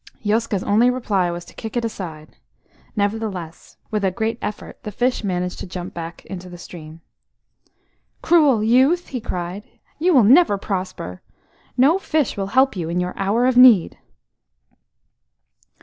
Yoska's only reply was to kick it aside; nevertheless, with a great effort, the fish managed to jump into the stream. "Cruel youth," he cried, "You will never prosper. No fish will help you in your hour of need."